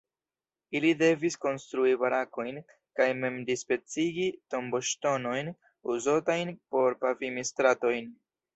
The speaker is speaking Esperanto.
Ili devis konstrui barakojn kaj mem dispecigi tomboŝtonojn uzotajn por pavimi stratojn.